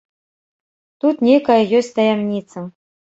Тут нейкая ёсць таямніца!